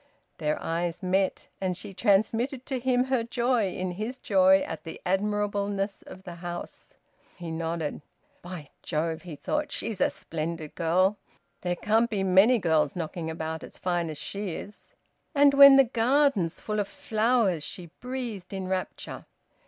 Their eyes met, and she transmitted to him her joy in his joy at the admirableness of the house. He nodded. "By Jove!" he thought. "She's a splendid girl. There can't be many girls knocking about as fine as she is!" "And when the garden's full of flowers!" she breathed in rapture.